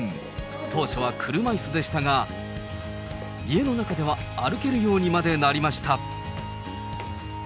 当初は車いすでしたが、家の中では歩けるようにまでなりました。